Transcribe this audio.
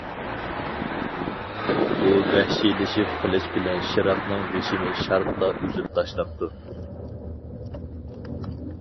ئۇ ۋەھشىيلىشىپ قىلىچ بىلەن شىراقنىڭ بېشىنى شارتلا ئۈزۈپ تاشلاپتۇ.